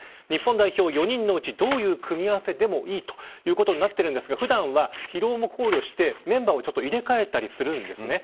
日本代表４人のうちどういう組み合わせでもいいということになっているんですが普段は、疲労も考慮してメンバーを入れ替えたりするんです。